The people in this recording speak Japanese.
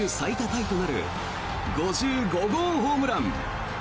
タイとなる５５号ホームラン。